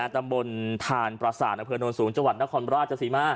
ตำบลธานประสานอเผือนโดนสูงจังหวัดนครราชจสิมา